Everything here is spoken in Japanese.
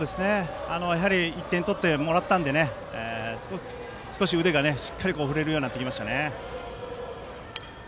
やはり１点取ってもらったので腕がしっかり振れるようになりました。